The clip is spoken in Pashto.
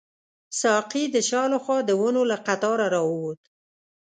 ساقي د شا له خوا د ونو له قطاره راووت.